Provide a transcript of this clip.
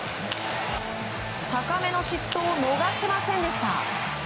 高めの失投を逃しませんでした。